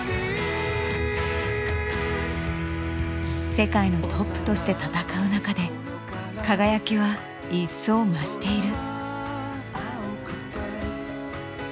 世界のトップとして戦う中で輝きは一層増している。